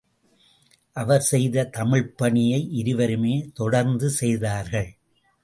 அவர் செய்த தமிழ்ப்பணியை இருவருமே தொடர்ந்து செய்தார்கள்.